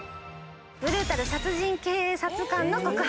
『ブルータル殺人警察官の告白』